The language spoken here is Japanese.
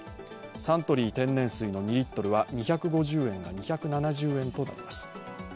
サントリー天然水の２リットルは２５０円が２７０円となります。